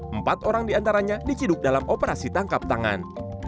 empat orang diantaranya diciduk dalam operasi tangkap tangan